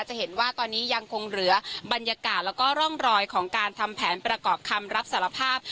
จะเห็นว่าตอนนี้ยังคงเหลือบรรยากาศแล้วก็ร่องรอยของการทำแผนประกอบคำรับสารภาพ